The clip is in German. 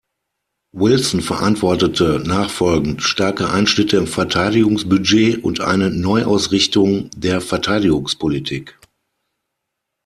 Wilson verantwortete nachfolgend starke Einschnitte im Verteidigungsbudget und eine Neuausrichtung der Verteidigungspolitik.